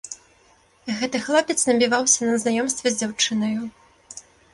Гэта хлопец набіваўся на знаёмства з дзяўчынаю.